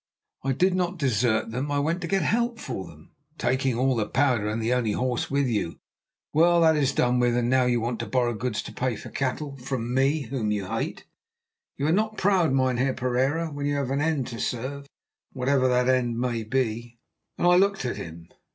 "I did not desert them; I went to get help for them." "Taking all the powder and the only horse with you! Well, that is done with, and now you want to borrow goods to pay for cattle—from me, whom you hate. You are not proud, Mynheer Pereira, when you have an end to serve, whatever that end may be," and I looked at him.